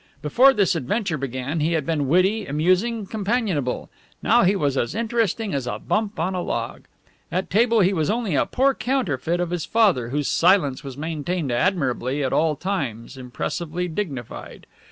Before this adventure began he had been witty, amusing, companionable; now he was as interesting as a bump on a log. At table he was only a poor counterfeit of his father, whose silence was maintained admirably, at all times impressively dignified.